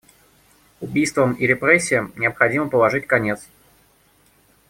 Убийствам и репрессиям необходимо положить конец.